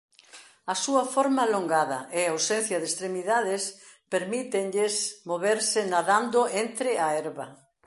A súa forma alongada e ausencia de extremidades permítenlles moverse "nadando" entre a herba.